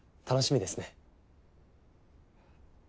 楽しみですね。